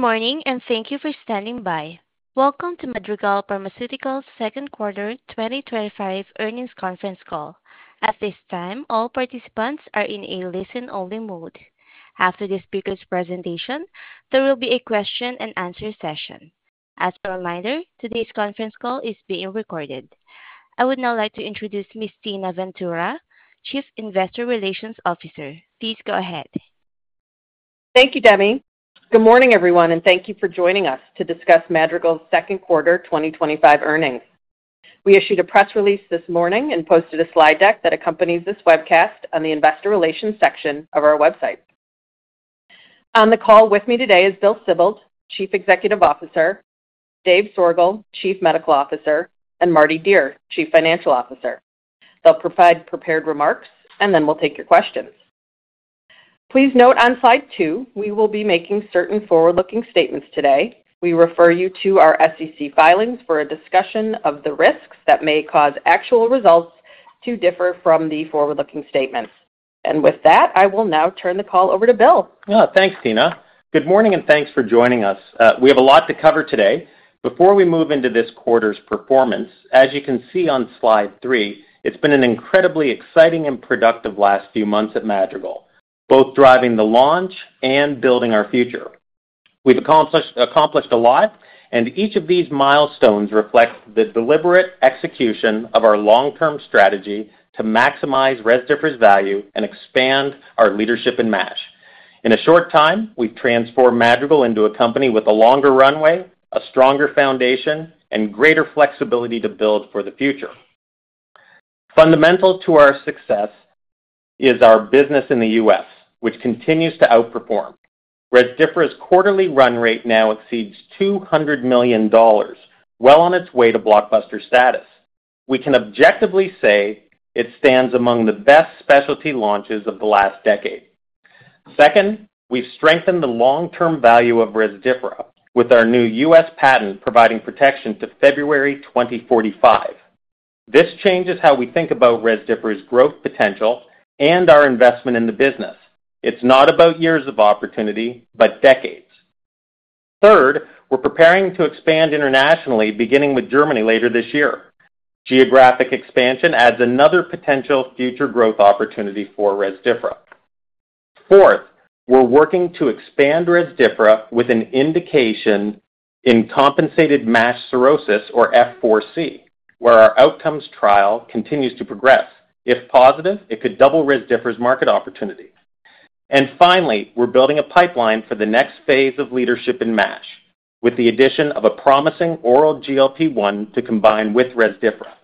Good morning and thank you for standing by. Welcome to Madrigal Pharmaceuticals' second quarter 2025 earnings conference call. At this time, all participants are in a listen-only mode. After the speaker's presentation, there will be a question-and-answer session. As a reminder, today's conference call is being recorded. I would now like to introduce Ms. Tina Ventura, Chief Investor Relations Officer. Please go ahead. Thank you, Demi. Good morning, everyone, and thank you for joining us to discuss Madrigal Pharmaceuticals' second quarter 2025 earnings. We issued a press release this morning and posted a slide deck that accompanies this webcast on the Investor Relations section of our website. On the call with me today are Bill Sibold, Chief Executive Officer, Dave Soergel, Chief Medical Officer, and Mardi Dier, Chief Financial Officer. They'll provide prepared remarks, and then we'll take your questions. Please note on slide two, we will be making certain forward-looking statements today. We refer you to our SEC filings for a discussion of the risks that may cause actual results to differ from the forward-looking statements. With that, I will now turn the call over to Bill. Yeah, thanks, Tina. Good morning and thanks for joining us. We have a lot to cover today. Before we move into this quarter's performance, as you can see on slide three, it's been an incredibly exciting and productive last few months at Madrigal, both driving the launch and building our future. We've accomplished a lot, and each of these milestones reflects the deliberate execution of our long-term strategy to maximize Rezdiffra value and expand our leadership in MASH. In a short time, we've transformed Madrigal into a company with a longer runway, a stronger foundation, and greater flexibility to build for the future. Fundamental to our success is our business in the U.S., which continues to outperform. Rezdiffra's quarterly run rate now exceeds $200 million, well on its way to blockbuster status. We can objectively say it stands among the best specialty launches of the last decade. Second, we've strengthened the long-term value of Rezdiffra with our new U.S. patent, providing protection to February 2045. This changes how we think about Rezdiffra's growth potential and our investment in the business. It's not about years of opportunity, but decades. Third, we're preparing to expand internationally, beginning with Germany later this year. Geographic expansion adds another potential future growth opportunity for Rezdiffra. Fourth, we're working to expand Rezdiffra with an indication in compensated MASH cirrhosis, or F4c, where our outcomes trial continues to progress. If positive, it could double Rezdiffra's market opportunity. Finally, we're building a pipeline for the next phase of leadership in MASH, with the addition of a promising oral GLP-1 to combine with Rezdiffra.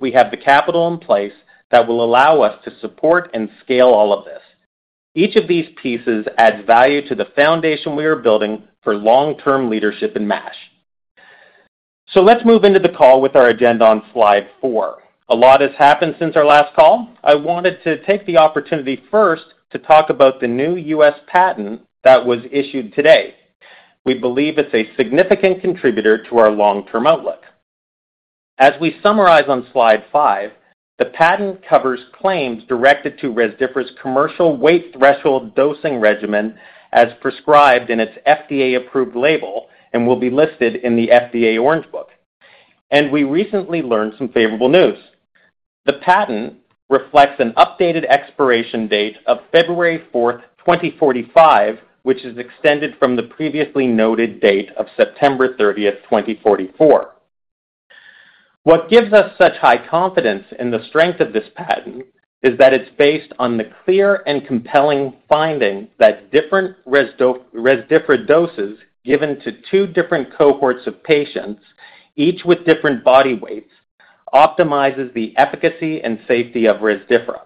We have the capital in place that will allow us to support and scale all of this. Each of these pieces adds value to the foundation we are building for long-term leadership in MASH. Let's move into the call with our agenda on slide four. A lot has happened since our last call. I wanted to take the opportunity first to talk about the new U.S. patent that was issued today. We believe it's a significant contributor to our long-term outlook. As we summarize on slide five, the patent covers claims directed to Rezdiffra's commercial weight threshold dosing regimen as prescribed in its FDA-approved label and will be listed in the FDA Orange Book. We recently learned some favorable news. The patent reflects an updated expiration date of February 4th, 2045, which is extended from the previously noted date of September 30th, 2044. What gives us such high confidence in the strength of this patent is that it's based on the clear and compelling finding that different Rezdiffra doses given to two different cohorts of patients, each with different body weights, optimizes the efficacy and safety of Rezdiffra.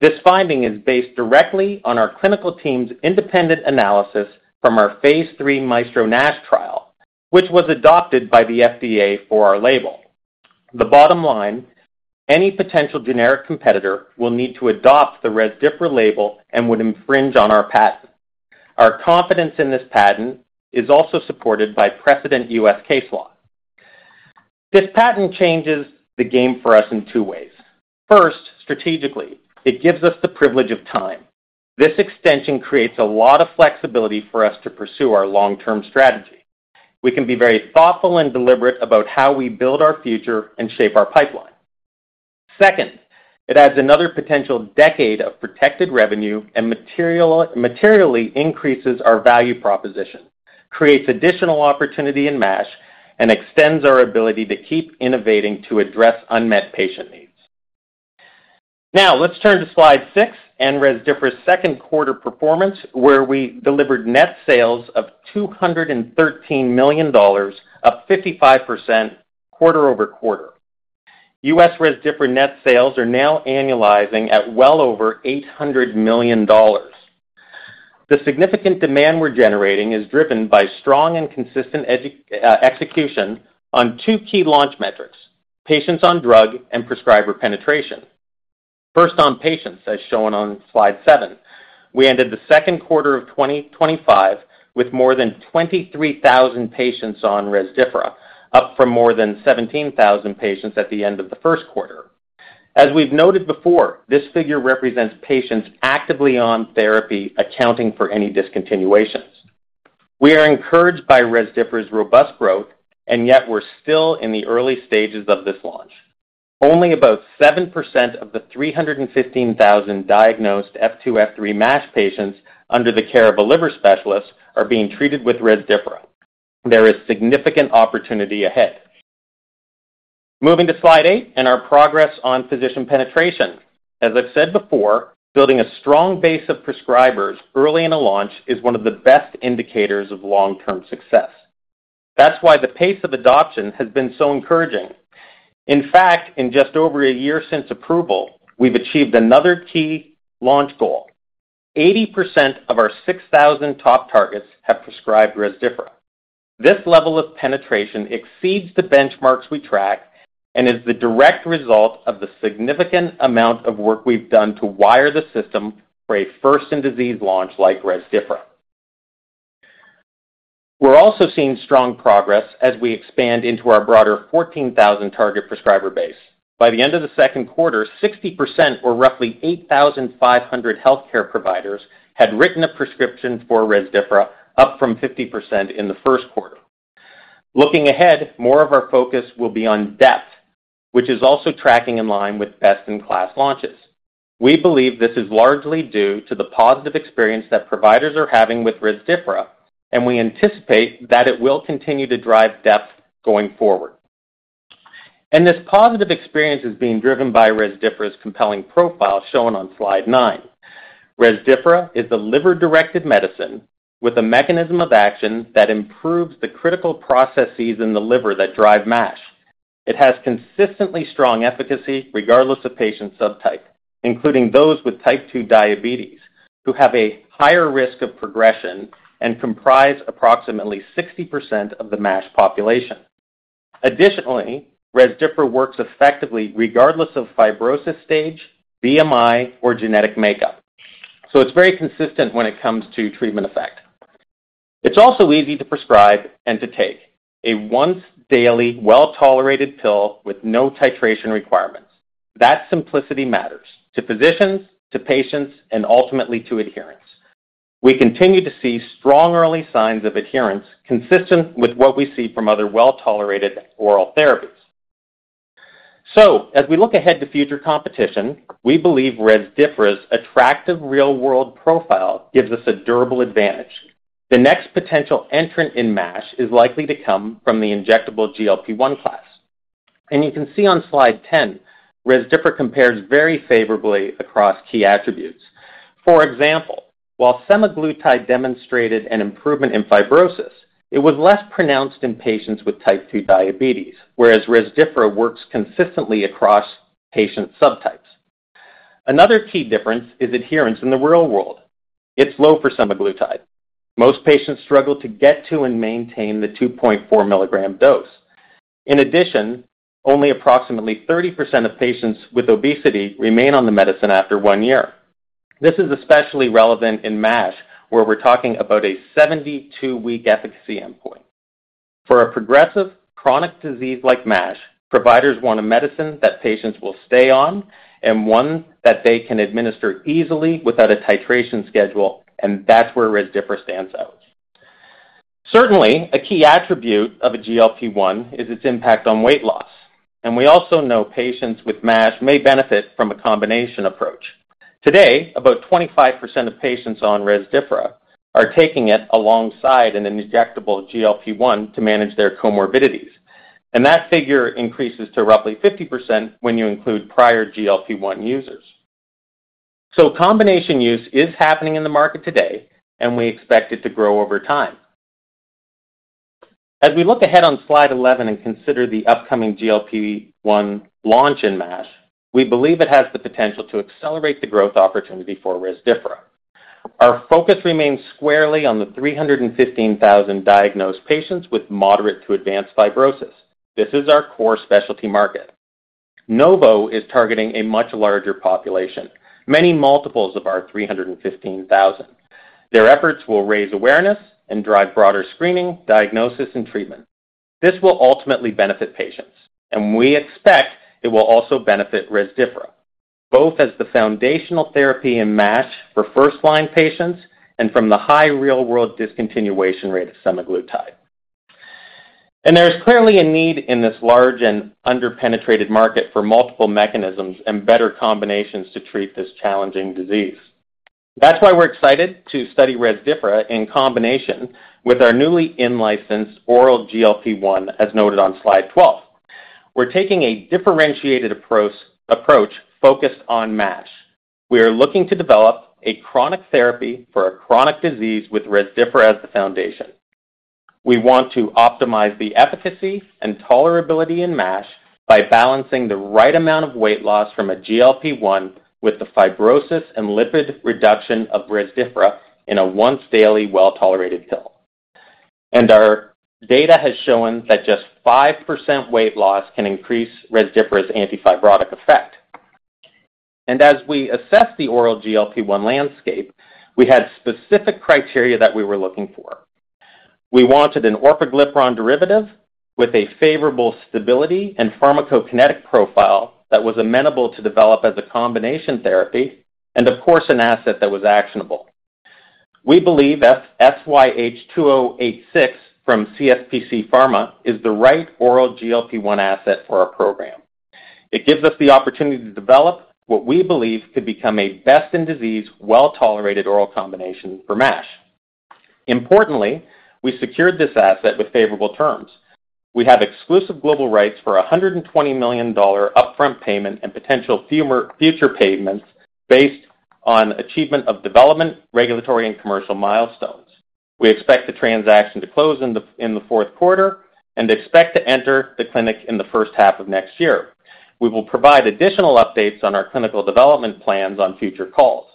This finding is based directly on our clinical team's independent analysis from our phase III MAESTRO-NASH trial, which was adopted by the FDA for our label. The bottom line, any potential generic competitor will need to adopt the Rezdiffra label and would infringe on our patent. Our confidence in this patent is also supported by precedent U.S. case law. This patent changes the game for us in two ways. First, strategically, it gives us the privilege of time. This extension creates a lot of flexibility for us to pursue our long-term strategy. We can be very thoughtful and deliberate about how we build our future and shape our pipeline. Second, it adds another potential decade of protected revenue and materially increases our value proposition, creates additional opportunity in MASH, and extends our ability to keep innovating to address unmet patient needs. Now, let's turn to slide six and Rezdiffra's second quarter performance, where we delivered net sales of $213 million, up 55% quarter-over-quarter. U.S. Rezdiffra net sales are now annualizing at well over $800 million. The significant demand we're generating is driven by strong and consistent execution on two key launch metrics: patients on drug and prescriber penetration. First on patients, as shown on slide seven, we ended the second quarter of 2025 with more than 23,000 patients on Rezdiffra, up from more than 17,000 patients at the end of the first quarter. As we've noted before, this figure represents patients actively on therapy, accounting for any discontinuations. We are encouraged by Rezdiffra's robust growth, and yet we're still in the early stages of this launch. Only about 7% of the 315,000 diagnosed F2-F3 MASH patients under the care of a liver specialist are being treated with Rezdiffra. There is significant opportunity ahead. Moving to slide eight and our progress on physician penetration. As I've said before, building a strong base of prescribers early in a launch is one of the best indicators of long-term success. That's why the pace of adoption has been so encouraging. In fact, in just over a year since approval, we've achieved another key launch goal. 80% of our 6,000 top targets have prescribed Rezdiffra. This level of penetration exceeds the benchmarks we track and is the direct result of the significant amount of work we've done to wire the system for a first-in-disease launch like Rezdiffra. We're also seeing strong progress as we expand into our broader 14,000 target prescriber base. By the end of the second quarter, 60% or roughly 8,500 healthcare providers had written a prescription for Rezdiffra, up from 50% in the first quarter. Looking ahead, more of our focus will be on depth, which is also tracking in line with best-in-class launches. We believe this is largely due to the positive experience that providers are having with Rezdiffra, and we anticipate that it will continue to drive depth going forward. This positive experience is being driven by Rezdiffra's compelling profile shown on slide nine. Rezdiffra is the liver-directed medicine with a mechanism of action that improves the critical processes in the liver that drive MASH. It has consistently strong efficacy regardless of patient subtype, including those with type two diabetes, who have a higher risk of progression and comprise approximately 60% of the MASH population. Additionally, Rezdiffra works effectively regardless of fibrosis stage, BMI, or genetic makeup. It's very consistent when it comes to treatment effect. It's also easy to prescribe and to take, a once-daily well-tolerated pill with no titration requirements. That simplicity matters to physicians, to patients, and ultimately to adherence. We continue to see strong early signs of adherence consistent with what we see from other well-tolerated oral therapies. As we look ahead to future competition, we believe Rezdiffra's attractive real-world profile gives us a durable advantage. The next potential entrant in MASH is likely to come from the injectable GLP-1 class. You can see on slide 10, Rezdiffra compares very favorably across key attributes. For example, while semaglutide demonstrated an improvement in fibrosis, it was less pronounced in patients with type two diabetes, whereas Rezdiffra works consistently across patient subtypes. Another key difference is adherence in the real world. It's low for semaglutide. Most patients struggle to get to and maintain the 2.4 mg dose. In addition, only approximately 30% of patients with obesity remain on the medicine after one year. This is especially relevant in MASH, where we're talking about a 72-week efficacy endpoint. For a progressive chronic disease like MASH, providers want a medicine that patients will stay on and one that they can administer easily without a titration schedule, and that's where Rezdiffra stands out. Certainly, a key attribute of a GLP-1 is its impact on weight loss. We also know patients with MASH may benefit from a combination approach. Today, about 25% of patients on Rezdiffra are taking it alongside an injectable GLP-1 to manage their comorbidities. That figure increases to roughly 50% when you include prior GLP-1 users. Combination use is happening in the market today, and we expect it to grow over time. As we look ahead on slide 11 and consider the upcoming GLP-1 launch in MASH, we believe it has the potential to accelerate the growth opportunity for Rezdiffra. Our focus remains squarely on the 315,000 diagnosed patients with moderate to advanced fibrosis. This is our core specialty market. Novo is targeting a much larger population, many multiples of our 315,000. Their efforts will raise awareness and drive broader screening, diagnosis, and treatment. This will ultimately benefit patients, and we expect it will also benefit Rezdiffra, both as the foundational therapy in MASH for first-line patients and from the high real-world discontinuation rate of semaglutide. There is clearly a need in this large and underpenetrated market for multiple mechanisms and better combinations to treat this challenging disease. That's why we're excited to study Rezdiffra in combination with our newly in-licensed oral GLP-1, as noted on slide 12. We're taking a differentiated approach focused on MASH. We are looking to develop a chronic therapy for a chronic disease with Rezdiffra as the foundation. We want to optimize the efficacy and tolerability in MASH by balancing the right amount of weight loss from a GLP-1 with the fibrosis and lipid reduction of Rezdiffra in a once-daily well-tolerated pill. Our data has shown that just 5% weight loss can increase Rezdiffra's antifibrotic effect. As we assessed the oral GLP-1 landscape, we had specific criteria that we were looking for. We wanted an orforglipron derivative with a favorable stability and pharmacokinetic profile that was amenable to develop as a combination therapy and, of course, an asset that was actionable. We believe SYH2086 from CSPC Pharma is the right oral GLP-1 asset for our program. It gives us the opportunity to develop what we believe could become a best-in-disease, well-tolerated oral combination for MASH. Importantly, we secured this asset with favorable terms. We have exclusive global rights for a $120 million upfront payment and potential future payments based on achievement of development, regulatory, and commercial milestones. We expect the transaction to close in the fourth quarter and expect to enter the clinic in the first half of next year. We will provide additional updates on our clinical development plans on future calls.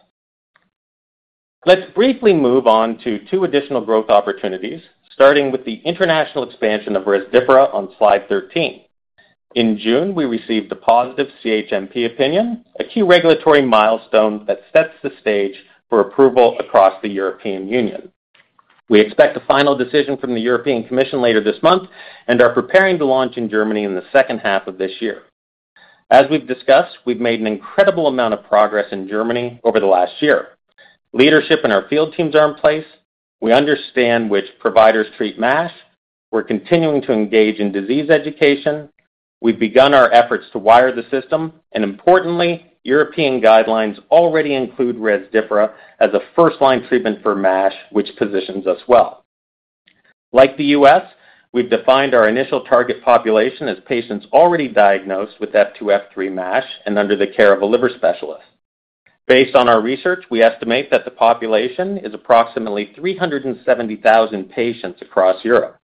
Let's briefly move on to two additional growth opportunities, starting with the international expansion of Rezdiffra on slide 13. In June, we received the positive CHMP opinion, a key regulatory milestone that sets the stage for approval across the European Union. We expect a final decision from the European Commission later this month and are preparing to launch in Germany in the second half of this year. As we've discussed, we've made an incredible amount of progress in Germany over the last year. Leadership and our field teams are in place. We understand which providers treat MASH. We're continuing to engage in disease education. We've begun our efforts to wire the system, and importantly, European guidelines already include Rezdiffra as a first-line treatment for MASH, which positions us well. Like the U.S., we've defined our initial target population as patients already diagnosed with F2-F3 MASH and under the care of a liver specialist. Based on our research, we estimate that the population is approximately 370,000 patients across Europe.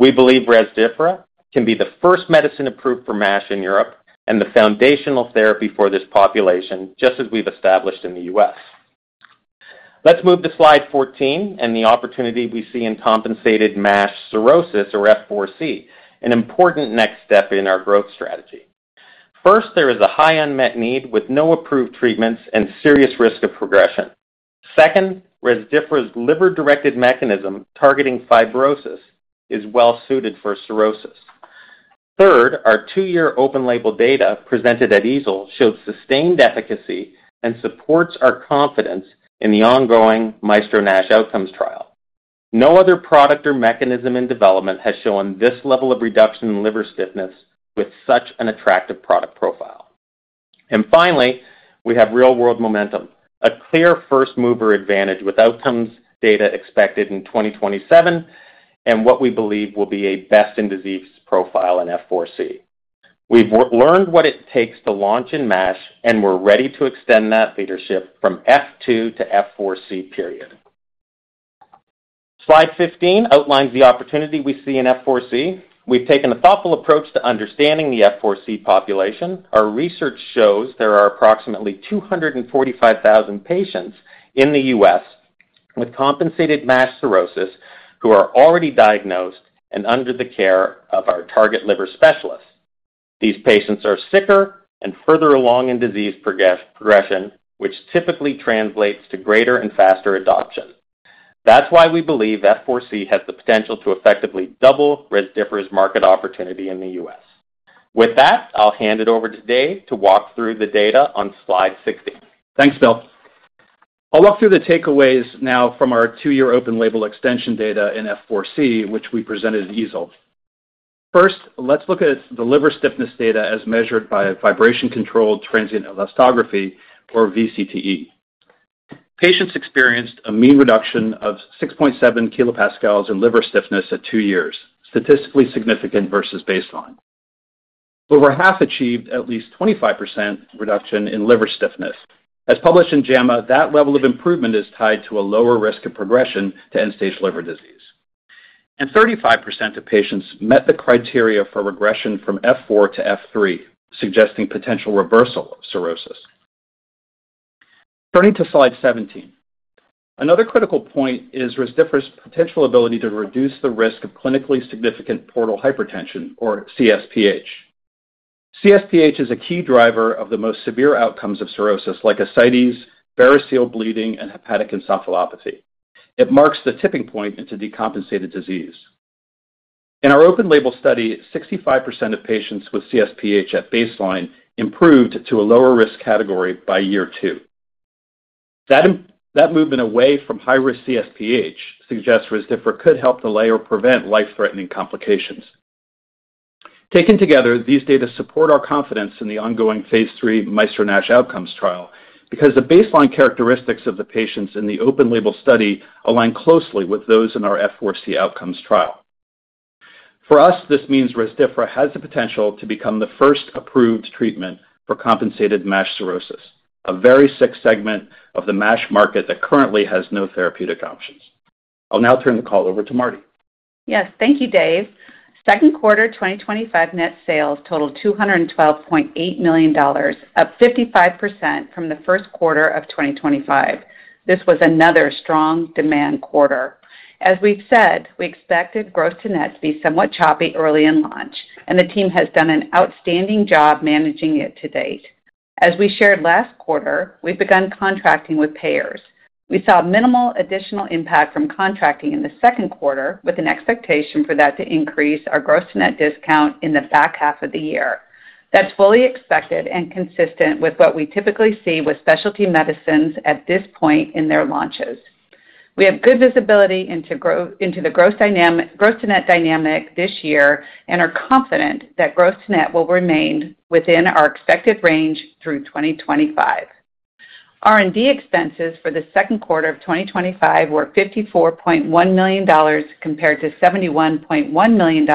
We believe Rezdiffra can be the first medicine approved for MASH in Europe and the foundational therapy for this population, just as we've established in the U.S. Let's move to slide 14 and the opportunity we see in compensated MASH cirrhosis, or F4c, an important next step in our growth strategy. First, there is a high unmet need with no approved treatments and serious risk of progression. Second, Rezdiffra's liver-directed mechanism targeting fibrosis is well suited for cirrhosis. Third, our two-year open-label data presented at EASL showed sustained efficacy and supports our confidence in the ongoing MAESTRO-NASH outcomes trial. No other product or mechanism in development has shown this level of reduction in liver stiffness with such an attractive product profile. Finally, we have real-world momentum, a clear first-mover advantage with outcomes data expected in 2027 and what we believe will be a best-in-disease profile in F4c. We've learned what it takes to launch in MASH, and we're ready to extend that leadership from F2 to F4c. Slide 15 outlines the opportunity we see in F4c. We've taken a thoughtful approach to understanding the F4c population. Our research shows there are approximately 245,000 patients in the U.S. with compensated MASH cirrhosis who are already diagnosed and under the care of our target liver specialists. These patients are sicker and further along in disease progression, which typically translates to greater and faster adoption. That's why we believe F4c has the potential to effectively double Rezdiffra's market opportunity in the U.S. With that, I'll hand it over to Dave to walk through the data on slide 16. Thanks, Bill. I'll walk through the takeaways now from our two-year open-label extension data in F4c, which we presented at EASL. First, let's look at the liver stiffness data as measured by vibration-controlled transient elastography, or VCTE. Patients experienced a mean reduction of 6.7 kPa in liver stiffness at two years, statistically significant versus baseline. Over half achieved at least 25% reduction in liver stiffness. As published in JAMA, that level of improvement is tied to a lower risk of progression to end-stage liver disease. 35% of patients met the criteria for regression from F4 to F3, suggesting potential reversal of cirrhosis. Turning to slide 17, another critical point is Rezdiffra's potential ability to reduce the risk of clinically significant portal hypertension, or CSPH. CSPH is a key driver of the most severe outcomes of cirrhosis, like ascites, variceal bleeding, and hepatic encephalopathy. It marks the tipping point into decompensated disease. In our open-label study, 65% of patients with CSPH at baseline improved to a lower risk category by year two. That movement away from high-risk CSPH suggests Rezdiffra could help delay or prevent life-threatening complications. Taken together, these data support our confidence in the ongoing phase III MAESTRO-NASH outcomes trial because the baseline characteristics of the patients in the open-label study align closely with those in our F4c outcomes trial. For us, this means Rezdiffra has the potential to become the first approved treatment for compensated MASH cirrhosis, a very sick segment of the MASH market that currently has no therapeutic options. I'll now turn the call over to Mardi. Yes, thank you, Dave. Second quarter 2025 net sales totaled $212.8 million, up 55% from the first quarter of 2025. This was another strong demand quarter. As we've said, we expected gross-to-net to be somewhat choppy early in launch, and the team has done an outstanding job managing it to date. As we shared last quarter, we've begun contracting with payers. We saw minimal additional impact from contracting in the second quarter, with an expectation for that to increase our gross-to-net discount in the back half of the year. That's fully expected and consistent with what we typically see with specialty medicines at this point in their launches. We have good visibility into the gross-to-net dynamic this year and are confident that gross-to-net will remain within our expected range through 2025. R&D expenses for the second quarter of 2025 were $54.1 million compared to $71.1 million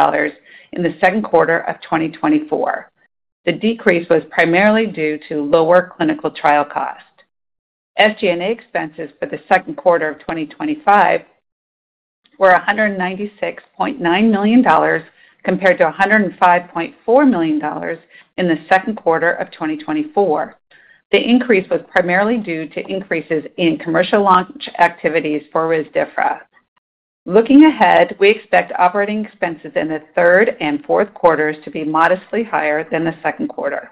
in the second quarter of 2024. The decrease was primarily due to lower clinical trial cost. SG&A expenses for the second quarter of 2025 were $196.9 million compared to $105.4 million in the second quarter of 2024. The increase was primarily due to increases in commercial launch activities for Rezdiffra. Looking ahead, we expect operating expenses in the third and fourth quarters to be modestly higher than the second quarter.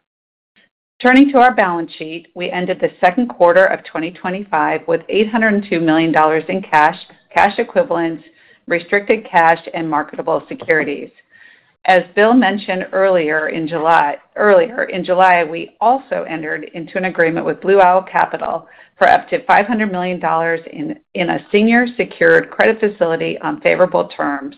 Turning to our balance sheet, we ended the second quarter of 2025 with $802 million in cash equivalents, restricted cash, and marketable securities. As Bill mentioned earlier in July, we also entered into an agreement with Blue Owl Capital for up to $500 million in a senior secured credit facility on favorable terms.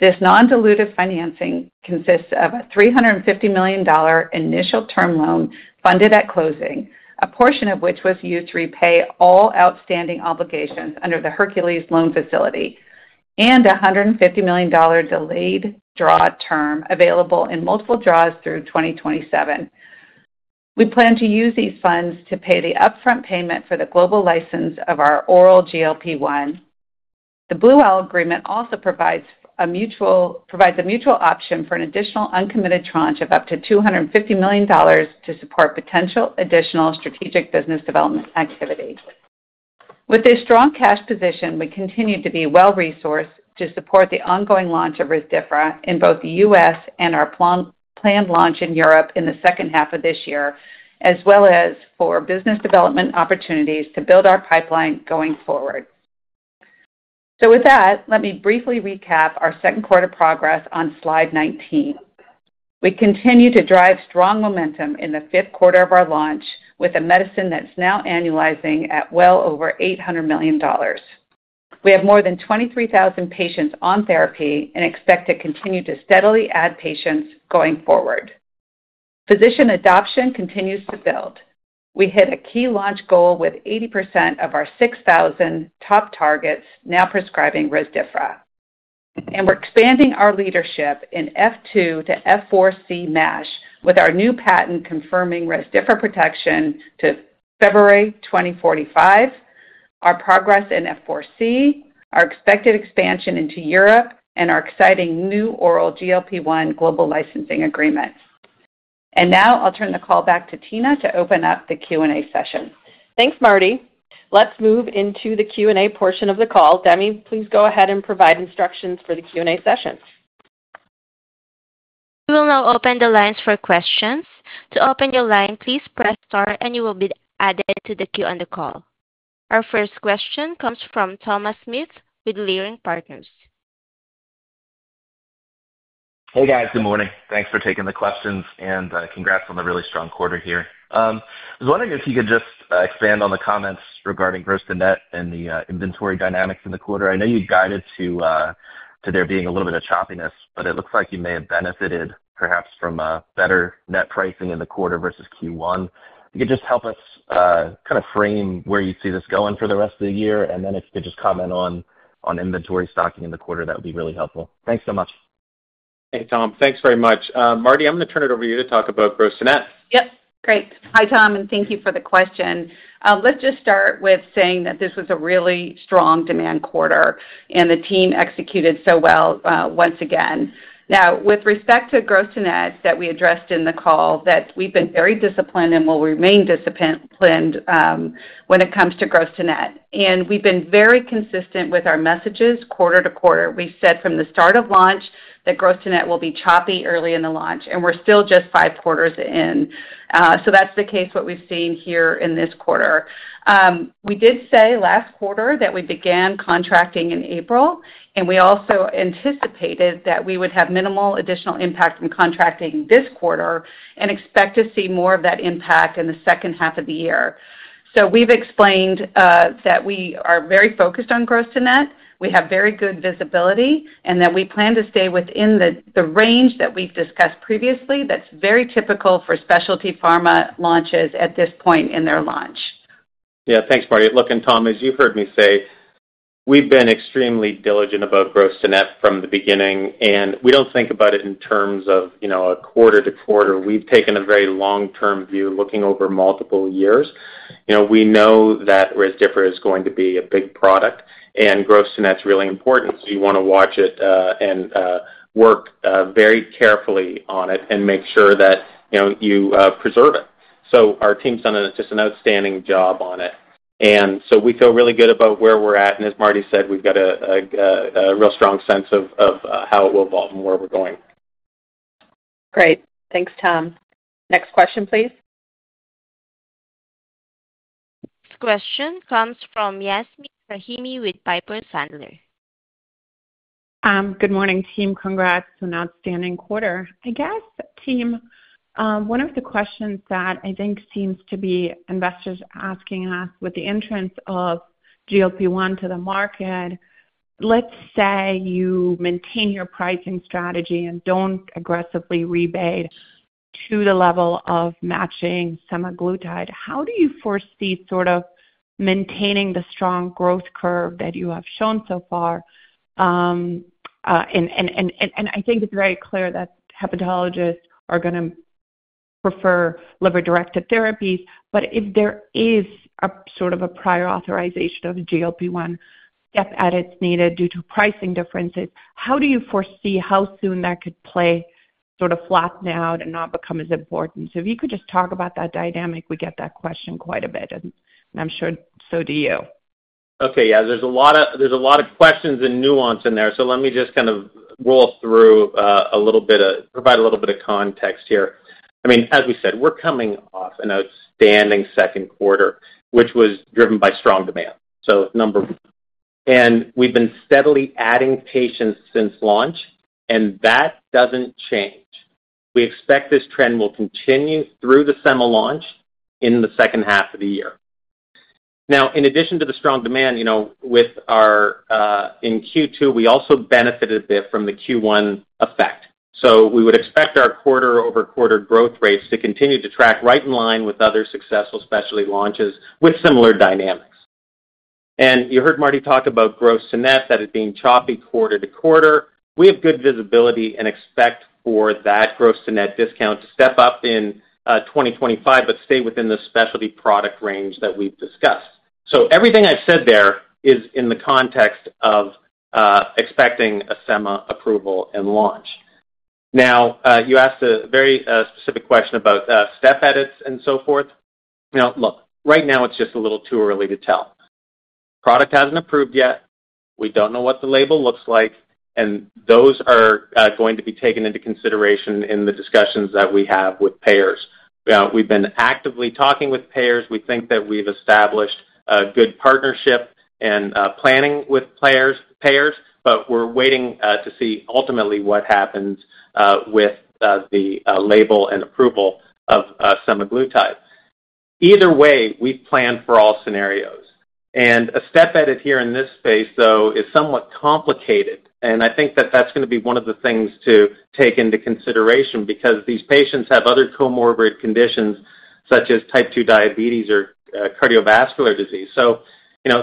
This non-dilutive financing consists of a $350 million initial term loan funded at closing, a portion of which was used to repay all outstanding obligations under the Hercules loan facility, and a $150 million delayed draw term available in multiple draws through 2027. We plan to use these funds to pay the upfront payment for the global license of our oral GLP-1. The Blue Owl agreement also provides a mutual option for an additional uncommitted tranche of up to $250 million to support potential additional strategic business development activities. With a strong cash position, we continue to be well-resourced to support the ongoing launch of Rezdiffra in both the U.S. and our planned launch in Europe in the second half of this year, as well as for business development opportunities to build our pipeline going forward. Let me briefly recap our second quarter progress on slide 19. We continue to drive strong momentum in the fifth quarter of our launch with a medicine that's now annualizing at well over $800 million. We have more than 23,000 patients on therapy and expect to continue to steadily add patients going forward. Physician adoption continues to build. We hit a key launch goal with 80% of our 6,000 top targets now prescribing Rezdiffra. We're expanding our leadership in F2 to F4c MASH with our new patent confirming Rezdiffra protection to February 2045, our progress in F4c, our expected expansion into Europe, and our exciting new oral GLP-1 global licensing agreements. Now I'll turn the call back to Tina to open up the Q&A session. Thanks, Mardi. Let's move into the Q&A portion of the call. Demi, please go ahead and provide instructions for the Q&A sessions. We will now open the lines for questions. To open your line, please press star and you will be added to the queue on the call. Our first question comes from Thomas Smith with Leerink Partners. Hey, guys. Good morning. Thanks for taking the questions and congrats on the really strong quarter here. I was wondering if you could just expand on the comments regarding gross-to-net and the inventory dynamics in the quarter. I know you guided to there being a little bit of choppiness, but it looks like you may have benefited perhaps from a better net pricing in the quarter versus Q1. If you could just help us kind of frame where you see this going for the rest of the year, and then if you could just comment on inventory stocking in the quarter, that would be really helpful. Thanks so much. Hey, Tom. Thanks very much. Mardi, I'm going to turn it over to you to talk about gross-to-net. Great. Hi, Tom, and thank you for the question. Let's just start with saying that this was a really strong demand quarter, and the team executed so well once again. Now, with respect to gross-to-net that we addressed in the call, we've been very disciplined and will remain disciplined when it comes to gross-to-net. We've been very consistent with our messages quarter to quarter. We said from the start of launch that gross-to-net will be choppy early in the launch, and we're still just five quarters in. That's the case with what we've seen here in this quarter. We did say last quarter that we began contracting in April, and we also anticipated that we would have minimal additional impact from contracting this quarter and expect to see more of that impact in the second half of the year. We've explained that we are very focused on gross-to-net, we have very good visibility, and that we plan to stay within the range that we've discussed previously that's very typical for specialty pharma launches at this point in their launch. Yeah, thanks, Mardi. Look, and Tom, as you've heard me say, we've been extremely diligent about gross-to-net from the beginning. We don't think about it in terms of a quarter to quarter. We've taken a very long-term view looking over multiple years. We know that Rezdiffra is going to be a big product, and gross-to-net is really important. You want to watch it and work very carefully on it and make sure that you preserve it. Our team's done just an outstanding job on it, and we feel really good about where we're at. As Mardi said, we've got a real strong sense of how it will evolve and where we're going. Great. Thanks, Tom. Next question, please. This question comes from Yasmeen Rahimi with Piper Sandler. Good morning, team. Congrats on an outstanding quarter. I guess, team, one of the questions that I think seems to be investors asking us with the entrance of GLP-1 to the market, let's say you maintain your pricing strategy and don't aggressively rebate to the level of matching semaglutide. How do you foresee sort of maintaining the strong growth curve that you have shown so far? I think it's very clear that hepatologists are going to prefer liver-directed therapies, but if there is a sort of a prior authorization of GLP-1, if added needed due to pricing differences, how do you foresee how soon that could play sort of flatten out and not become as important? If you could just talk about that dynamic, we get that question quite a bit, and I'm sure so do you. Okay, yeah, there's a lot of questions and nuance in there. Let me just kind of roll through a little bit, provide a little bit of context here. I mean, as we said, we're coming off an outstanding second quarter, which was driven by strong demand. Number one, we've been steadily adding patients since launch, and that doesn't change. We expect this trend will continue through the semi-launch in the second half of the year. In addition to the strong demand, with our in Q2, we also benefited a bit from the Q1 effect. We would expect our quarter-over-quarter growth rates to continue to track right in line with other successful specialty launches with similar dynamics. You heard Mardi talk about gross-to-net that is being choppy quarter to quarter. We have good visibility and expect for that gross-to-net discount to step up in 2025, but stay within the specialty product range that we've discussed. Everything I've said there is in the context of expecting a semi-approval and launch. You asked a very specific question about step edits and so forth. Right now it's just a little too early to tell. Product hasn't approved yet. We don't know what the label looks like, and those are going to be taken into consideration in the discussions that we have with payers. We've been actively talking with payers. We think that we've established a good partnership and planning with payers, but we're waiting to see ultimately what happens with the label and approval of semaglutide. Either way, we plan for all scenarios. A step edit here in this space, though, is somewhat complicated, and I think that that's going to be one of the things to take into consideration because these patients have other comorbid conditions such as type two diabetes or cardiovascular disease.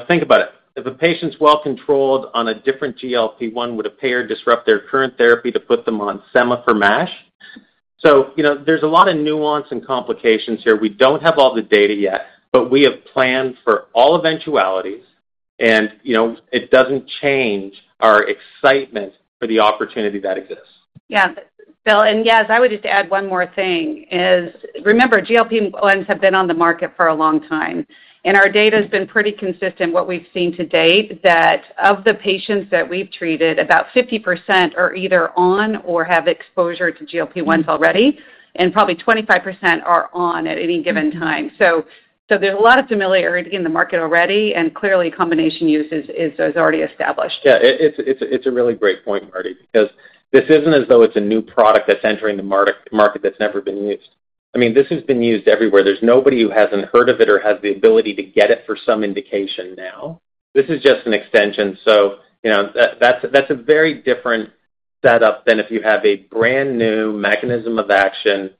Think about it. If a patient's well controlled on a different GLP-1, would a payer disrupt their current therapy to put them on semi for MASH? There's a lot of nuance and complications here. We don't have all the data yet, but we have planned for all eventualities, and it doesn't change our excitement for the opportunity that exists. Yeah, Bill, I would just add one more thing. Remember, GLP-1s have been on the market for a long time. Our data has been pretty consistent in what we've seen to date that of the patients that we've treated, about 50% are either on or have exposure to GLP-1s already, and probably 25% are on at any given time. There is a lot of familiarity in the market already, and clearly combination use is already established. Yeah, it's a really great point, Mardi, because this isn't as though it's a new product that's entering the market that's never been used. I mean, this has been used everywhere. There's nobody who hasn't heard of it or has the ability to get it for some indication now. This is just an extension. You know, that's a very different setup than if you have a brand new mechanism of action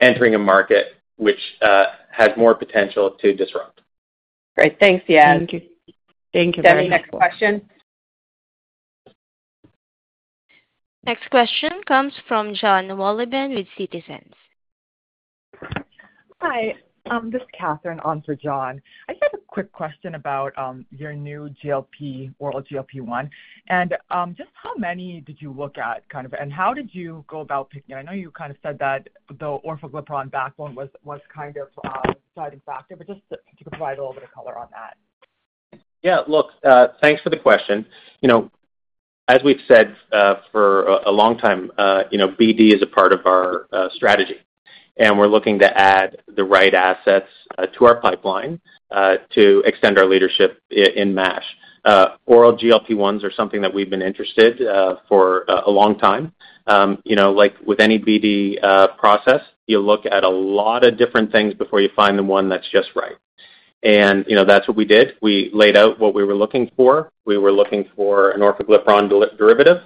entering a market which has more potential to disrupt. Great, thanks, yeah. Thank you. Thank you, Mardi. Next question. Next question comes from Jon Wolloben with Citizens. Hi, this is Catherine on for Jon. I just had a quick question about your new GLP-1, oral GLP-1, and how many did you look at, and how did you go about picking it? I know you said that the orforglipron backbone was a deciding factor, but just to provide a little bit of color on that. Yeah, look, thanks for the question. As we've said for a long time, BD is a part of our strategy, and we're looking to add the right assets to our pipeline to extend our leadership in MASH. Oral GLP-1s are something that we've been interested in for a long time. Like with any BD process, you look at a lot of different things before you find the one that's just right. That's what we did. We laid out what we were looking for. We were looking for an orforglipron derivative.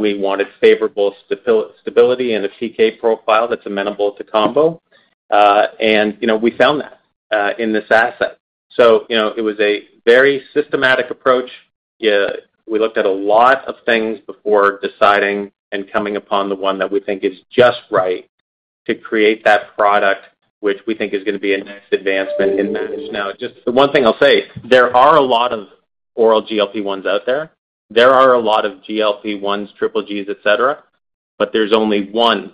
We wanted favorable stability and a TK profile that's amenable to combo. We found that in this asset. It was a very systematic approach. We looked at a lot of things before deciding and coming upon the one that we think is just right to create that product, which we think is going to be a next advancement in MASH. Just the one thing I'll say, there are a lot of oral GLP-1s out there. There are a lot of GLP-1s, triple Gs, et cetera, but there's only one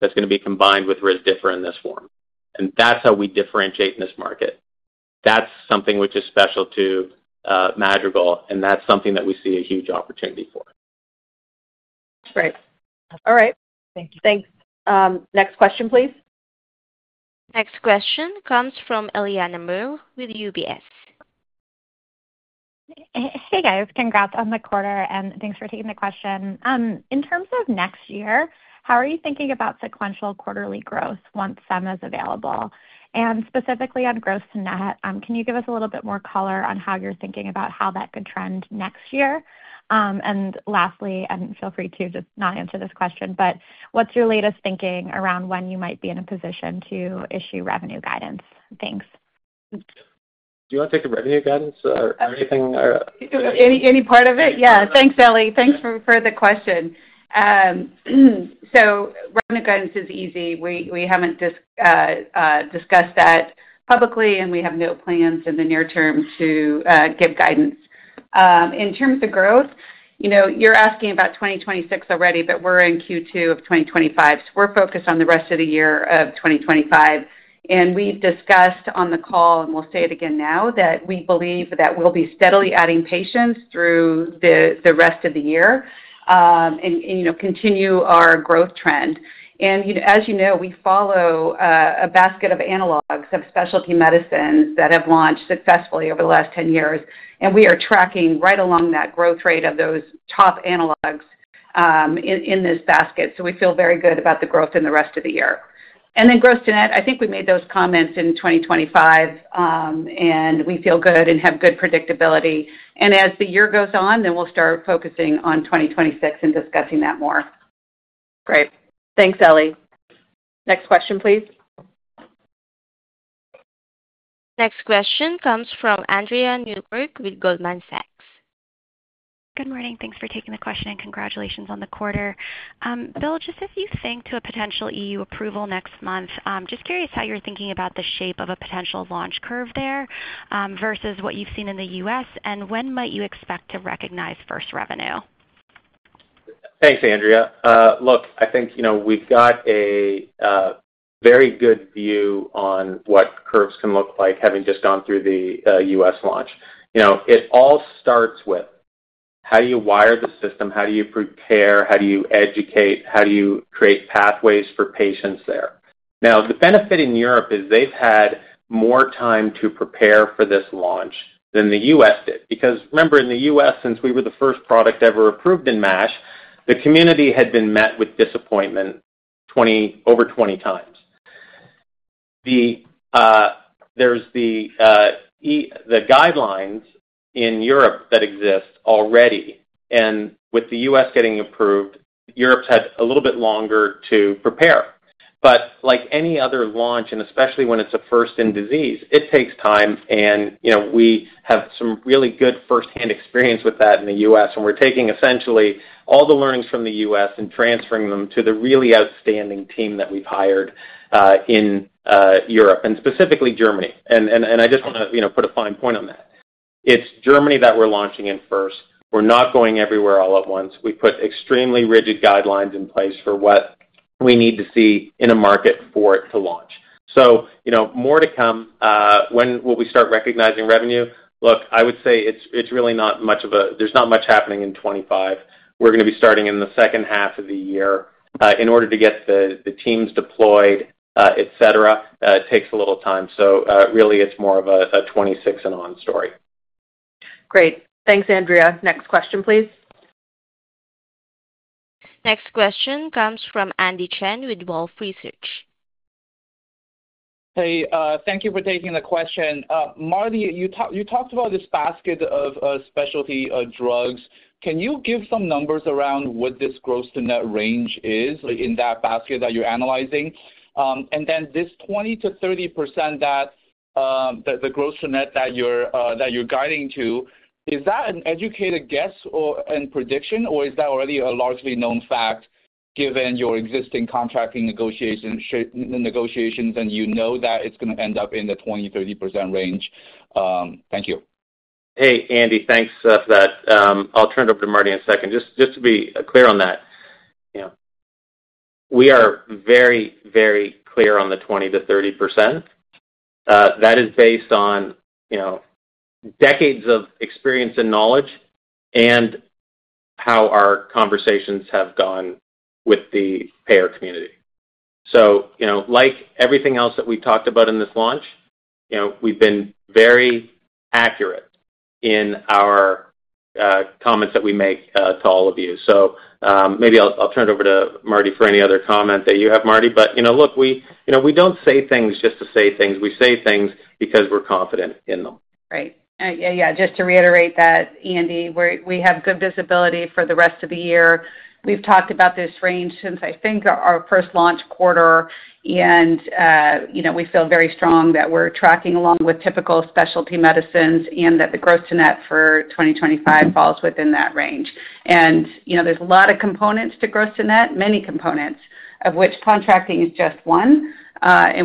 that's going to be combined with Rezdiffra in this form. That's how we differentiate in this market. That's something which is special to Madrigal, and that's something that we see a huge opportunity for. Great. All right. Thank you. Thanks. Next question, please. Next question comes from Eliana Merle with UBS. Hey, guys. Congrats on the quarter, and thanks for taking the question. In terms of next year, how are you thinking about sequential quarterly growth once semaglutide is available? Specifically on gross-to-net, can you give us a little bit more color on how you're thinking about how that could trend next year? Lastly, and feel free to just not answer this question, what's your latest thinking around when you might be in a position to issue revenue guidance? Thanks. Do you want to take the revenue guidance or anything? Any part of it? Yeah, thanks, Ellie. Thanks for the question. Revenue guidance is easy. We haven't discussed that publicly, and we have no plans in the near term to give guidance. In terms of growth, you're asking about 2026 already, but we're in Q2 of 2025. We're focused on the rest of the year of 2025. We discussed on the call, and we'll say it again now, that we believe that we'll be steadily adding patients through the rest of the year and continue our growth trend. As you know, we follow a basket of analogs of specialty medicines that have launched successfully over the last 10 years, and we are tracking right along that growth rate of those top analogs in this basket. We feel very good about the growth in the rest of the year. Gross-to-net, I think we made those comments in 2025, and we feel good and have good predictability. As the year goes on, we'll start focusing on 2026 and discussing that more. Great. Thanks, Ellie. Next question, please. Next question comes from Andrea Newkirk with Goldman Sachs. Good morning. Thanks for taking the question, and congratulations on the quarter. Bill, if you think to a potential EU approval next month, just curious how you're thinking about the shape of a potential launch curve there versus what you've seen in the U.S., and when might you expect to recognize first revenue? Thanks, Andrea. I think we've got a very good view on what curves can look like having just gone through the U.S. launch. It all starts with how do you wire the system? How do you prepare? How do you educate? How do you create pathways for patients there? The benefit in Europe is they've had more time to prepare for this launch than the U.S. did. Because remember, in the U.S., since we were the first product ever approved in MASH, the community had been met with disappointment over 20 times. There are the guidelines in Europe that exist already, and with the U.S. getting approved, Europe's had a little bit longer to prepare. Like any other launch, and especially when it's a first-in-disease, it takes time. We have some really good first-hand experience with that in the U.S., and we're taking essentially all the learnings from the U.S. and transferring them to the really outstanding team that we've hired in Europe and specifically Germany. I just want to put a fine point on that. It's Germany that we're launching in first. We're not going everywhere all at once. We put extremely rigid guidelines in place for what we need to see in a market for it to launch. More to come. When will we start recognizing revenue? I would say it's really not much of a, there's not much happening in 2025. We're going to be starting in the second half of the year in order to get the teams deployed, et cetera. It takes a little time. Really, it's more of a 2026 and on story. Great. Thanks, Andrea. Next question, please. Next question comes from Andy Chen with Wolfe Research. Thank you for taking the question. Mardi, you talked about this basket of specialty drugs. Can you give some numbers around what this gross-to-net range is in that basket that you're analyzing? This 20%-30% that the gross-to-net that you're guiding to, is that an educated guess and prediction, or is that already a largely known fact given your existing contracting negotiations and you know that it's going to end up in the 20%, 30% range? Thank you. Hey, Andy, thanks for that. I'll turn it over to Mardi in a second. Just to be clear on that, we are very, very clear on the 20%-30%. That is based on decades of experience and knowledge and how our conversations have gone with the payer community. Like everything else that we've talked about in this launch, we've been very accurate in our comments that we make to all of you. Maybe I'll turn it over to Mardi for any other comment that you have, Mardi. We don't say things just to say things. We say things because we're confident in them. Right. Yeah, just to reiterate that, Andy, we have good visibility for the rest of the year. We've talked about this range since, I think, our first launch quarter. We feel very strong that we're tracking along with typical specialty medicines and that the gross-to-net for 2025 falls within that range. There are a lot of components to gross-to-net, many components, of which contracting is just one.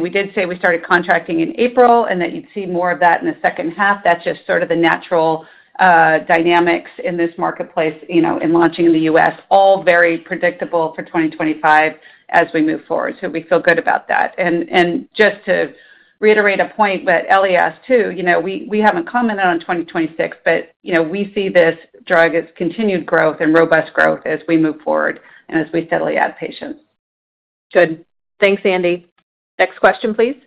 We did say we started contracting in April and that you'd see more of that in the second half. That's just the natural dynamics in this marketplace, launching in the U.S., all very predictable for 2025 as we move forward. We feel good about that. Just to reiterate a point that Ellie asked too, we haven't commented on 2026, but we see this drug as continued growth and robust growth as we move forward and as we steadily add patients. Good. Thanks, Andy. Next question, please.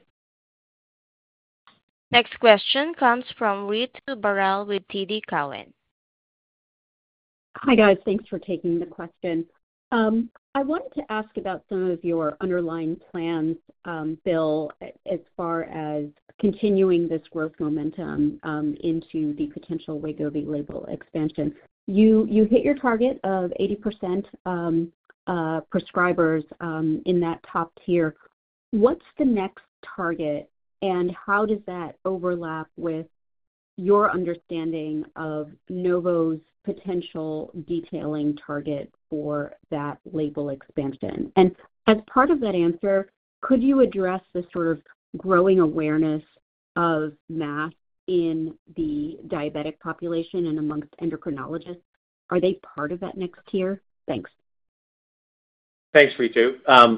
Next question comes from Ritu Baral with TD Cowen. Hi, guys. Thanks for taking the question. I wanted to ask about some of your underlying plans, Bill, as far as continuing this growth momentum into the potential Wegovy label expansion. You hit your target of 80% prescribers in that top tier. What's the next target, and how does that overlap with your understanding of Novo's potential detailing target for that label expansion? As part of that answer, could you address the sort of growing awareness of MASH in the diabetic population and amongst endocrinologists? Are they part of that next tier? Thanks. Thanks, Ritu.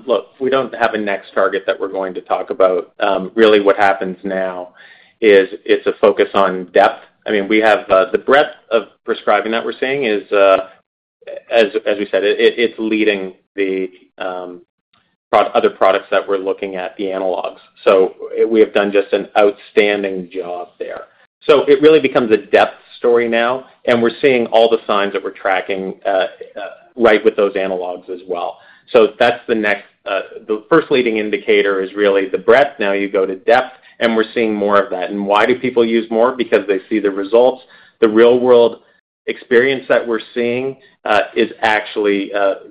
Look, we don't have a next target that we're going to talk about. Really, what happens now is it's a focus on depth. I mean, we have the breadth of prescribing that we're seeing is, as we said, it's leading the other products that we're looking at, the analogs. We have done just an outstanding job there. It really becomes a depth story now. We're seeing all the signs that we're tracking right with those analogs as well. The next, the first leading indicator is really the breadth. Now you go to depth, and we're seeing more of that. Why do people use more? Because they see the results. The real-world experience that we're seeing is actually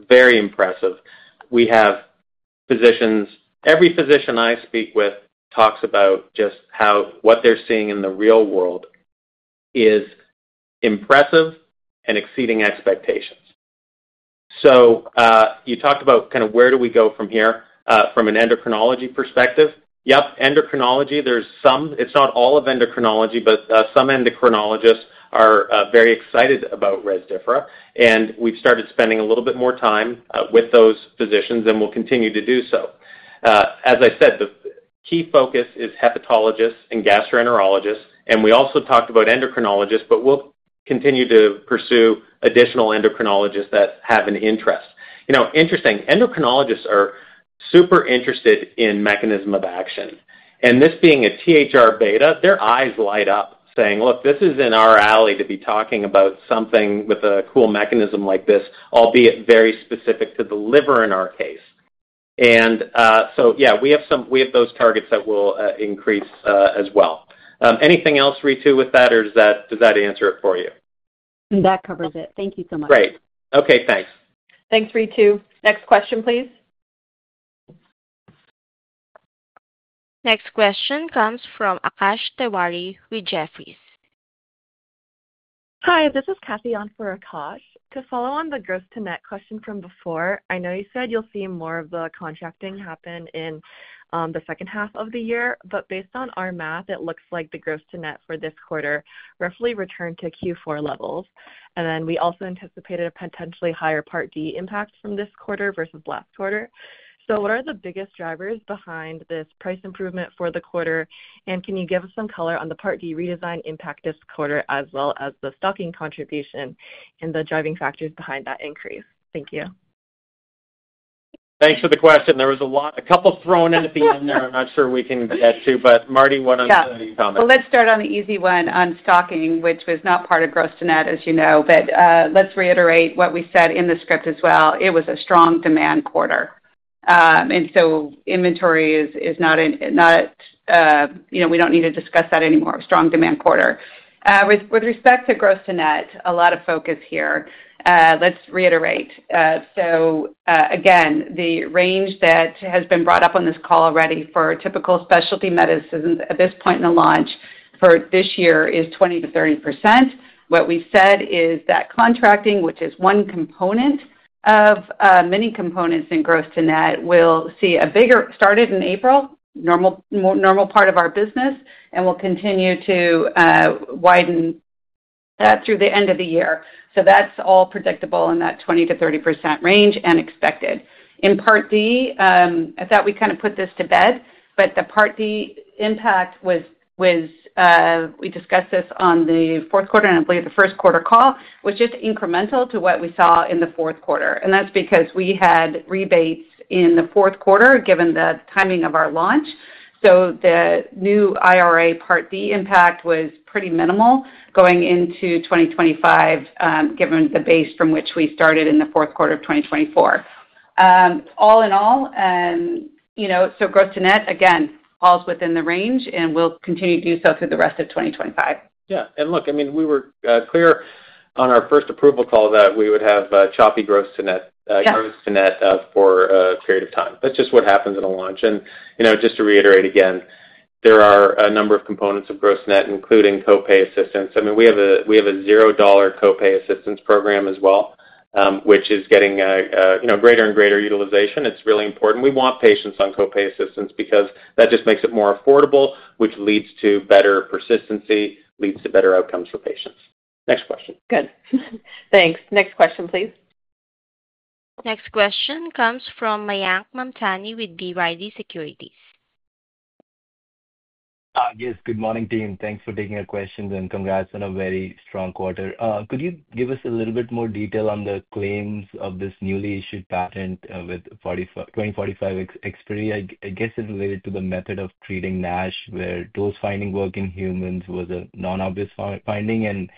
very impressive. We have physicians, every physician I speak with talks about just how what they're seeing in the real world is impressive and exceeding expectations. You talked about kind of where do we go from here from an endocrinology perspective. Yep, endocrinology, there's some, it's not all of endocrinology, but some endocrinologists are very excited about Rezdiffra. We've started spending a little bit more time with those physicians and will continue to do so. As I said, the key focus is hepatologists and gastroenterologists. We also talked about endocrinologists, but we'll continue to pursue additional endocrinologists that have an interest. You know, interesting, endocrinologists are super interested in mechanism of action. This being a THR beta, their eyes light up saying, look, this is in our alley to be talking about something with a cool mechanism like this, albeit very specific to the liver in our case. Yeah, we have those targets that will increase as well. Anything else, Ritu, with that, or does that answer it for you? That covers it. Thank you so much. Great. Okay, thanks. Thanks, Ritu. Next question, please. Next question comes from Akash Tewari with Jefferies. Hi, this is Cathy on for Akash. To follow on the gross-to-net question from before, I know you said you'll see more of the contracting happen in the second half of the year, but based on our math, it looks like the gross-to-net for this quarter roughly returned to Q4 levels. We also anticipated a potentially higher Part D impact from this quarter versus last quarter. What are the biggest drivers behind this price improvement for the quarter? Can you give us some color on the Part D redesign impact this quarter, as well as the stocking contribution and the driving factors behind that increase? Thank you. Thanks for the question. There was a lot, a couple thrown in at the end there I'm not sure we can get to, but Mardi, what are your comments? Let's start on the easy one on stocking, which was not part of gross-to-net, as you know, but let's reiterate what we said in the script as well. It was a strong demand quarter, and so inventory is not, you know, we don't need to discuss that anymore, strong demand quarter. With respect to gross-to-net, a lot of focus here. Let's reiterate. Again, the range that has been brought up on this call already for typical specialty medicines at this point in the launch for this year is 20%-30%. What we said is that contracting, which is one component of many components in gross-to-net, will see a bigger start in April, normal part of our business, and will continue to widen that through the end of the year. That's all predictable in that 20%-30% range and expected. In Part D, I thought we kind of put this to bed, but the Part D impact was, we discussed this on the fourth quarter, and I believe the first quarter call was just incremental to what we saw in the fourth quarter. That's because we had rebates in the fourth quarter given the timing of our launch. The new IRA Part D impact was pretty minimal going into 2025, given the base from which we started in the fourth quarter of 2024. All in all, you know, gross-to-net again falls within the range and will continue to do so through the rest of 2025. Yeah, look, I mean, we were clear on our first approval call that we would have choppy gross-to-net for a period of time. That's just what happens in a launch. You know, just to reiterate again, there are a number of components of gross-to-net, including copay assistance. I mean, we have a $0 copay assistance program as well, which is getting greater and greater utilization. It's really important. We want patients on copay assistance because that just makes it more affordable, which leads to better persistency and leads to better outcomes for patients. Next question. Good. Thanks. Next question, please. Next question comes from Mayank Mamtani with B. Riley Securities. Yes, good morning, team. Thanks for taking your questions and congrats on a very strong quarter. Could you give us a little bit more detail on the claims of this newly issued patent with 2045 expiry? I guess it's related to the method of treating MASH, where those findings work in humans was a non-obvious finding.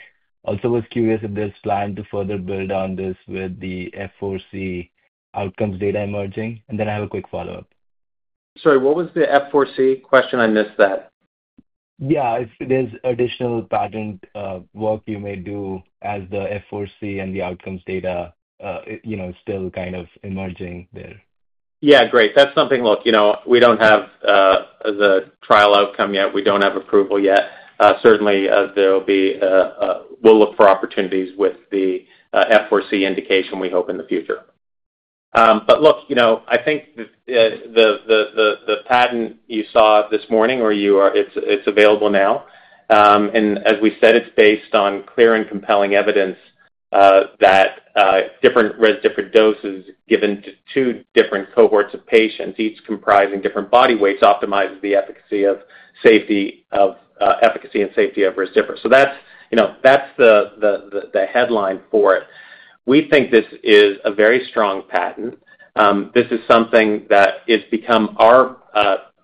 I was curious if there's plan to further build on this with the F4c outcomes data emerging. I have a quick follow-up. Sorry, what was the F4c question? I missed that. Yeah, if there's additional patent work you may do as the F4c and the outcomes data still kind of emerging there. Yeah, great. That's something, look, you know, we don't have the trial outcome yet. We don't have approval yet. Certainly, we will look for opportunities with the F4c indication, we hope, in the future. I think the patent you saw this morning, or you are, it's available now. As we said, it's based on clear and compelling evidence that different Rezdiffra doses given to two different cohorts of patients, each comprising different body weights, optimizes the efficacy and safety of Rezdiffra. That's the headline for it. We think this is a very strong patent. This is something that has become our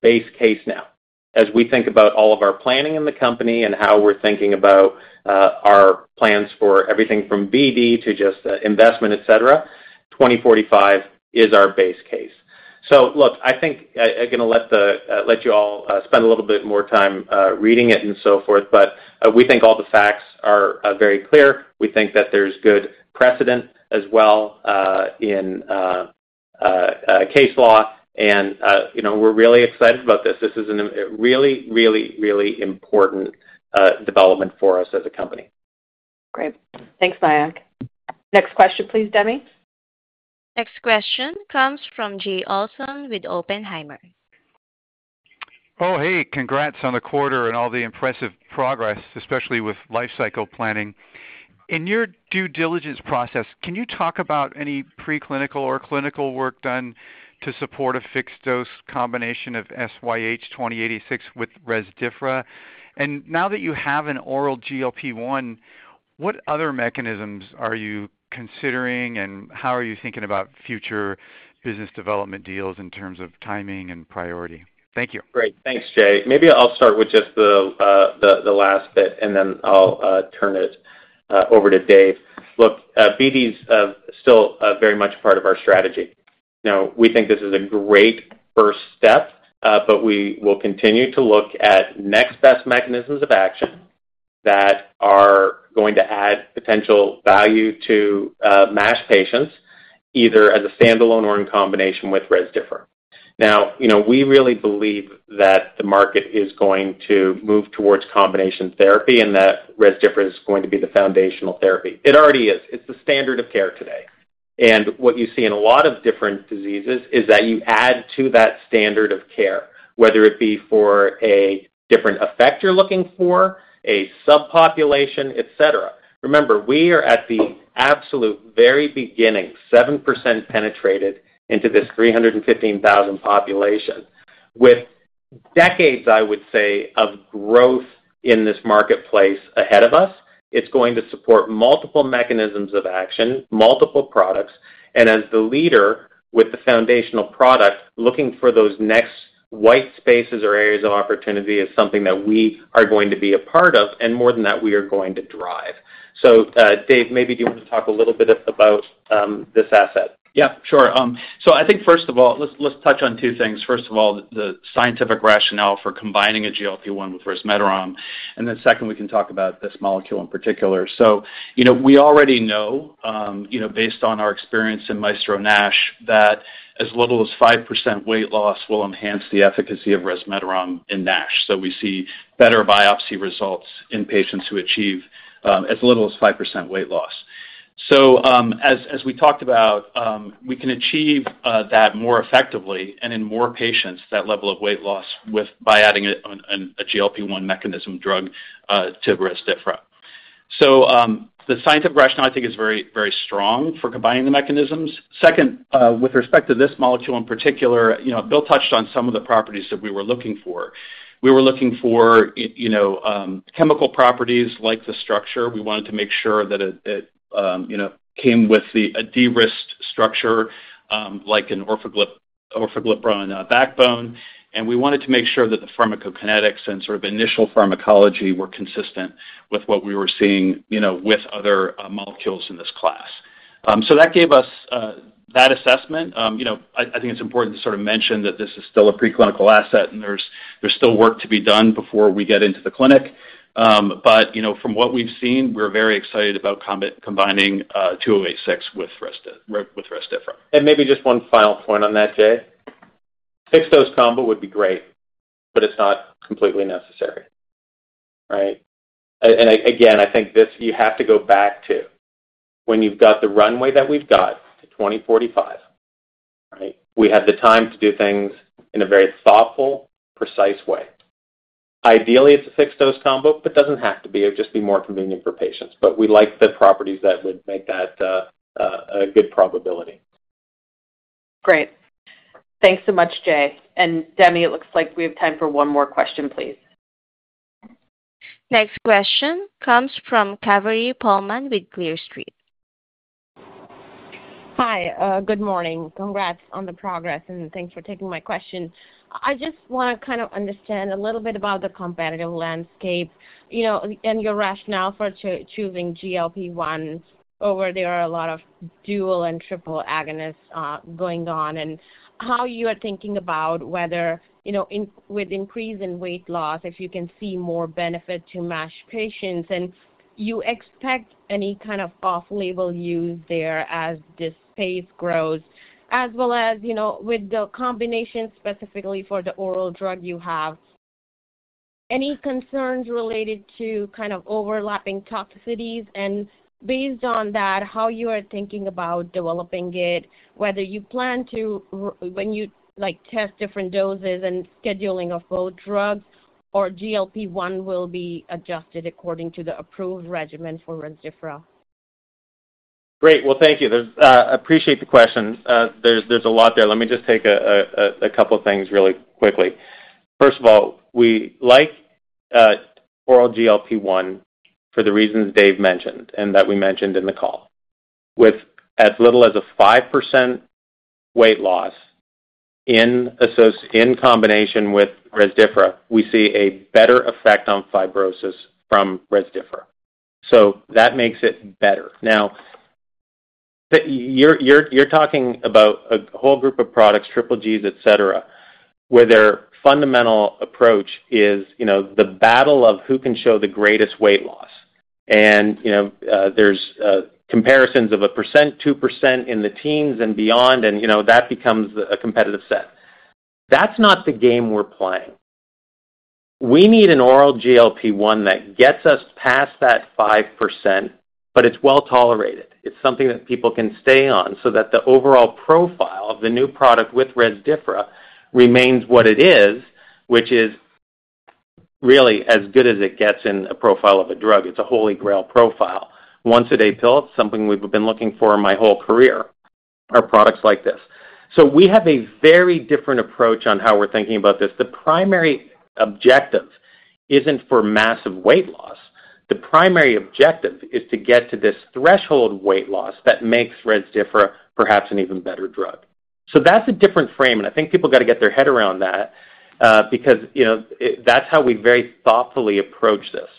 base case now as we think about all of our planning in the company and how we're thinking about our plans for everything from BD to just the investment, et cetera. 2045 is our base case. I think I'm going to let you all spend a little bit more time reading it and so forth, but we think all the facts are very clear. We think that there's good precedent as well in case law, and you know, we're really excited about this. This is a really, really, really important development for us as a company. Great. Thanks, Mayank. Next question, please, Demi. Next question comes from Jay Olson with Oppenheimer. Oh, hey, congrats on the quarter and all the impressive progress, especially with lifecycle planning. In your due diligence process, can you talk about any preclinical or clinical work done to support a fixed dose combination of SYH2086 with Rezdiffra? Now that you have an oral GLP-1, what other mechanisms are you considering and how are you thinking about future business development deals in terms of timing and priority? Thank you. Great, thanks, Jay. Maybe I'll start with just the last bit and then I'll turn it over to Dave. Look, BD is still very much part of our strategy. Now, we think this is a great first step, but we will continue to look at next best mechanisms of action that are going to add potential value to MASH patients, either as a standalone or in combination with Rezdiffra. Now, you know, we really believe that the market is going to move towards combination therapy and that Rezdiffra is going to be the foundational therapy. It already is. It's the standard of care today. What you see in a lot of different diseases is that you add to that standard of care, whether it be for a different effect you're looking for, a subpopulation, et cetera. Remember, we are at the absolute very beginning, 7% penetrated into this 315,000 population with decades, I would say, of growth in this marketplace ahead of us. It's going to support multiple mechanisms of action, multiple products, and as the leader with the foundational product, looking for those next white spaces or areas of opportunity is something that we are going to be a part of, and more than that, we are going to drive. Dave, maybe do you want to talk a little bit about this asset? Yeah, sure. I think first of all, let's touch on two things. First of all, the scientific rationale for combining a GLP-1 with resmetirom, and then second, we can talk about this molecule in particular. We already know, based on our experience in MAESTRO-NASH, that as little as 5% weight loss will enhance the efficacy of resmetirom in MASH. We see better biopsy results in patients who achieve as little as 5% weight loss. As we talked about, we can achieve that more effectively and in more patients, that level of weight loss by adding a GLP-1 mechanism drug to Rezdiffra. The scientific rationale, I think, is very, very strong for combining the mechanisms. Second, with respect to this molecule in particular, Bill touched on some of the properties that we were looking for. We were looking for chemical properties like the structure. We wanted to make sure that it came with a de-risked structure like an orforglipron backbone. We wanted to make sure that the pharmacokinetics and sort of initial pharmacology were consistent with what we were seeing with other molecules in this class. That gave us that assessment. I think it's important to mention that this is still a preclinical asset and there's still work to be done before we get into the clinic. From what we've seen, we're very excited about combining 2086 with Rezdiffra. Maybe just one final point on that, Dave. Fixed dose combo would be great, but it's not completely necessary, right? I think this, you have to go back to when you've got the runway that we've got to 2045, right? We have the time to do things in a very thoughtful, precise way. Ideally, it's a fixed dose combo, but it doesn't have to be. It would just be more convenient for patients. We like the properties that would make that a good probability. Great, thanks so much, Dave Demi, it looks like we have time for one more question, please. Next question comes from Kaveri Pohlman with Clear Street. Hi, good morning. Congrats on the progress and thanks for taking my question. I just want to kind of understand a little bit about the competitive landscape, you know, and your rationale for choosing GLP-1 over there are a lot of dual and triple agonists going on and how you are thinking about whether, you know, with increase in weight loss, if you can see more benefit to MASH patients and you expect any kind of off-label use there as this space grows, as well as, you know, with the combination specifically for the oral drug you have, any concerns related to kind of overlapping toxicities and based on that, how you are thinking about developing it, whether you plan to, when you like test different doses and scheduling of both drugs or GLP-1 will be adjusted according to the approved regimen for Rezdiffra. Thank you. I appreciate the question. There's a lot there. Let me just take a couple of things really quickly. First of all, we like oral GLP-1 for the reasons Dave mentioned and that we mentioned in the call. With as little as a 5% weight loss in combination with Rezdiffra, we see a better effect on fibrosis from Rezdiffra. That makes it better. Now, you're talking about a whole group of products, triple Gs, et cetera, where their fundamental approach is the battle of who can show the greatest weight loss. There are comparisons of a percent, 2% in the teens and beyond, and that becomes a competitive set. That's not the game we're playing. We need an oral GLP-1 that gets us past that 5%, but it's well tolerated. It's something that people can stay on so that the overall profile of the new product with Rezdiffra remains what it is, which is really as good as it gets in a profile of a drug. It's a holy grail profile. Once-a-day pill, it's something we've been looking for in my whole career, are products like this. We have a very different approach on how we're thinking about this. The primary objective isn't for massive weight loss. The primary objective is to get to this threshold weight loss that makes Rezdiffra perhaps an even better drug. That's a different frame, and I think people got to get their head around that because that's how we very thoughtfully approach this.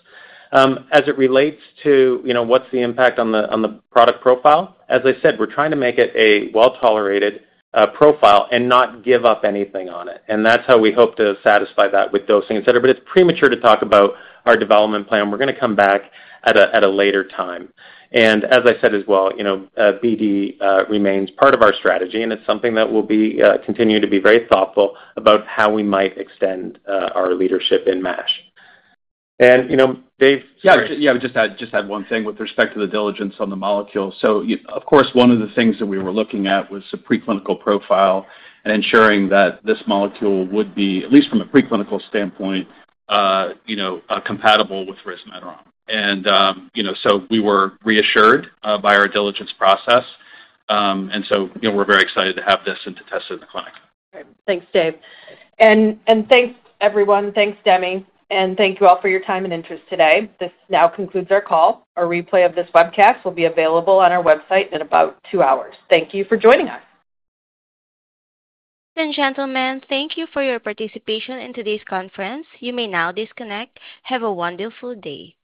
As it relates to what's the impact on the product profile, as I said, we're trying to make it a well-tolerated profile and not give up anything on it. That's how we hope to satisfy that with dosing, et cetera, but it's premature to talk about our development plan. We're going to come back at a later time. As I said as well, BD remains part of our strategy, and it's something that we'll continue to be very thoughtful about how we might extend our leadership in MASH. Dave? Yeah, just add one thing with respect to the diligence on the molecule. Of course, one of the things that we were looking at was the preclinical profile and ensuring that this molecule would be, at least from a preclinical standpoint, you know, compatible with resmetirom. We were reassured by our diligence process, so we're very excited to have this and to test it in the clinic. Great. Thanks, Dave. Thanks, everyone. Thanks, Demi. Thank you all for your time and interest today. This now concludes our call. A replay of this webcast will be available on our website in about two hours. Thank you for joining us. and gentlemen, thank you for your participation in today's conference. You may now disconnect. Have a wonderful day.